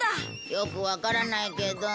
よくわからないけど。